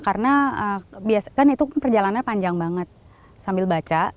karena biasanya kan itu perjalanannya panjang banget sambil baca